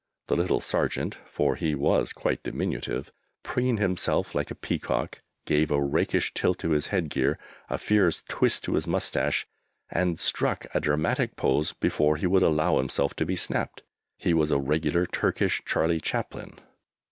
The little sergeant (for he was quite diminutive) preened himself like a peacock, gave a rakish tilt to his headgear, a fierce twist to his moustache, and struck a dramatic pose before he would allow himself to be snapped. He was a regular Turkish Charley Chaplin!